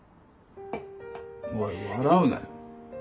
おい笑うなよ。